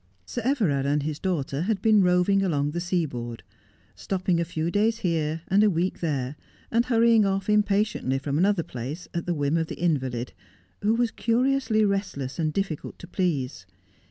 Sir Everard and his daughter had been roving along the sea board, stopping a few days here and a week there, and hurrying off impatiently from another place at the whim of the invalid, who was curiously restless and difficult to please.